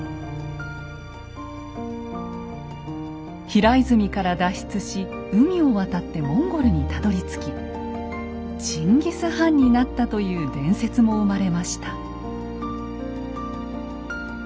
平泉から脱出し海を渡ってモンゴルにたどりつきチンギス・ハンになったという伝説も生まれました。